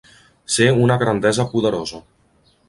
Ser una grandesa poderosa.